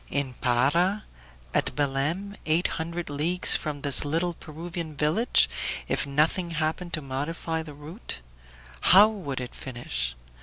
In Para, at Belem, eight hundred leagues from this little Peruvian village, if nothing happened to modify the route. How would it finish?